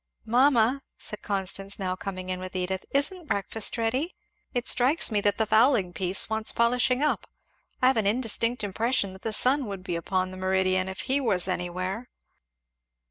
"Mamma!" said Constance now coming in with Edith, "isn't breakfast ready? It strikes me that the fowling piece wants polishing up. I have an indistinct impression that the sun would be upon the meridian if he was anywhere."